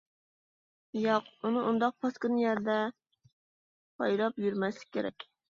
ياق، ئۇنى ئۇنداق پاسكىنا يەردە پايلاپ يۈرمەسلىك كېرەك.